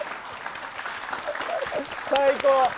最高！